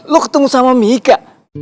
lo ketemu sama mika